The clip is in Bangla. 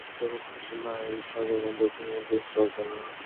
উত্তর ও পশ্চিমে আইরিশ সাগর এবং দক্ষিণে ব্রিস্টল চ্যানেল।